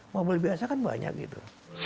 mobil biasa kan banyak gitu